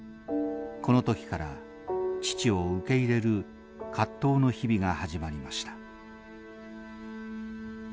この時から父を受け入れる葛藤の日々が始まりました。